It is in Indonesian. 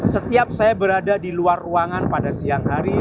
setiap saya berada di luar ruangan pada siang hari